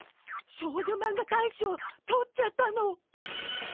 少女マンガ大賞とっちゃったの。